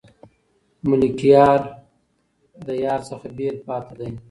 ملکیار له یار څخه بېل پاتې دی.